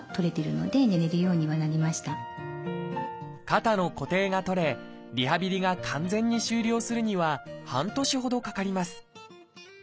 肩の固定が取れリハビリが完全に終了するには半年ほどかかります。